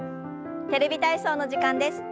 「テレビ体操」の時間です。